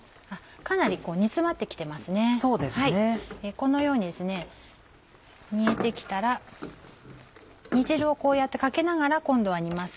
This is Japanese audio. このように煮えて来たら煮汁をこうやってかけながら今度は煮ます。